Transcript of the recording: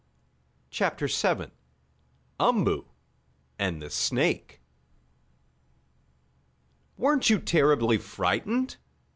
CHAPTER VII UMBOO AND THE SNAKE "Weren't you terribly frightened?"